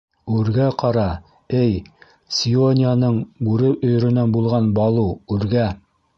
Үргә ҡара, эй Сиония-ның бүре өйөрөнән булған Балу, үргә!